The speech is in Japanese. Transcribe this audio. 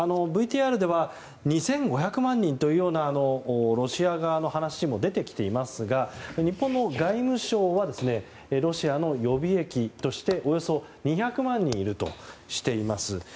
ＶＴＲでは２５００万人というようなロシア側の話も出てきてますが日本の外務省はロシアの予備役としておよそ２００万人いるとしています。